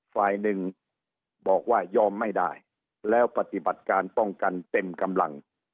ฝ่ายหนึ่งบอกว่ายอมไม่ได้แล้วปฏิบัติการป้องกันเต็มกำลัง